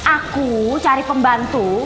aku cari pembantu